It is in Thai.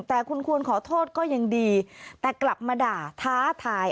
แต่คุณควรขอโทษก็ยังดีแต่กลับมาด่าท้าทาย